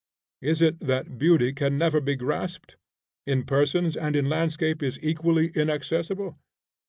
Is it that beauty can never be grasped? in persons and in landscape is equally inaccessible?